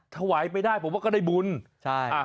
ถวายไม่ได้ผมว่าก็ได้บุญ